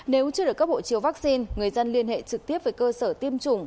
nếu chưa được cấp hộ chiếu vaccine người dân liên hệ trực tiếp với cơ sở tiêm chủng